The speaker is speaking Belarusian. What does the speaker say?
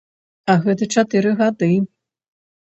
А гэта чатыры гады.